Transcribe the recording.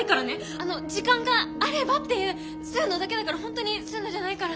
あの時間があればっていうそういうのだけだから本当にそういうのじゃないから。